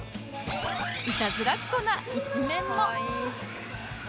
いたずらっ子な一面も